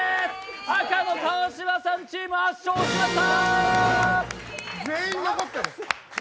赤の川島さんチーム圧勝しました！